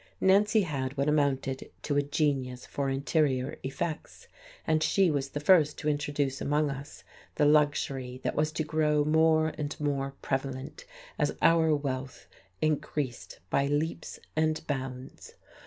Nancy had what amounted to a genius for interior effects, and she was the first to introduce among us the luxury that was to grow more and more prevalent as our wealth increased by leaps and bounds.